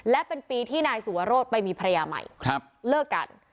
และเป็นปีที่นายสุวรสไปมีภรรยาใหม่เลิกกัน